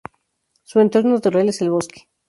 Su entorno natural es el bosque.